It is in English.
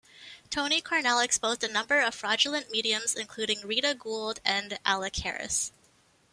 Tony Cornell exposed a number of fraudulent mediums including Rita Goold and Alec Harris.